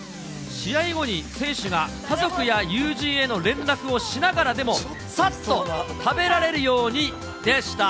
試合後に選手が、家族や友人への連絡をしながらでも、さっと食べられるように、でした。